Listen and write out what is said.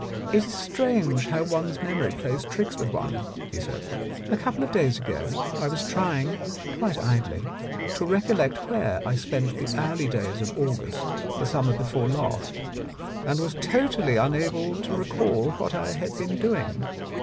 "It is strange how one's memory plays tricks with one," he said. "A couple of days ago I was trying — quite idly — to recollect where I spent the early days of August the summer before last, and was totally unable to recall what I had been doing.